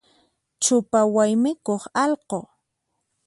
Chupa waymikuq allqu.